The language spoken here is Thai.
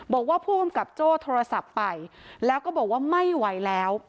บอกว่าผู้กำกับโจ้โทรศัพท์ไปแล้วก็บอกว่าไม่ไหวแล้ว